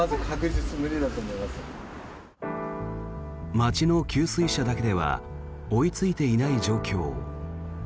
町の給水車だけでは追いついていない状況。